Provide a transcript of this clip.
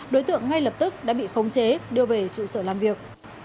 đối tượng ngay lập tức đã bị khống chế đưa về trụ sở làm việc